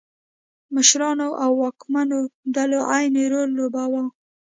مشرانو او واکمنو ډلو عین رول لوباوه.